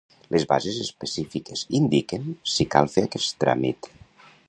Les bases específiques indiquen si cal fer aquest tràmit.